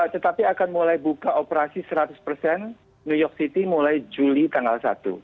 tetapi akan mulai buka operasi seratus persen new york city mulai juli tanggal satu dua ribu dua puluh satu